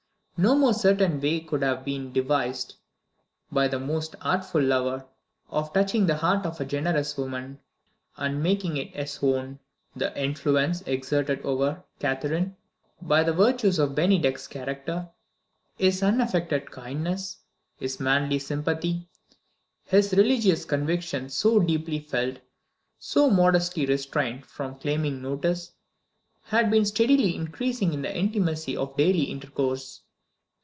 No more certain way could have been devised, by the most artful lover, of touching the heart of a generous woman, and making it his own. The influence exerted over Catherine by the virtues of Bennydeck's character his unaffected kindness, his manly sympathy, his religious convictions so deeply felt, so modestly restrained from claiming notice had been steadily increasing in the intimacy of daily intercourse.